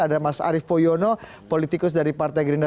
ada mas arief poyono politikus dari partai gerindra